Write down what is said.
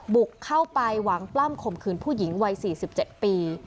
บุกเข้าไปหวังปล้ำข่มขืนผู้หญิงวัย๔๗ปี